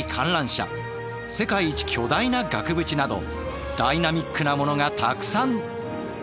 世界一巨大な額縁などダイナミックなものがたくさん！